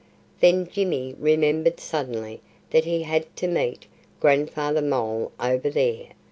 Then Jimmy remembered suddenly that he had to meet Grandfather Mole over there.